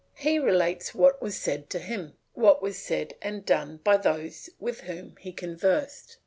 He relates what was said to him, what was said and done by those with whom he conversed.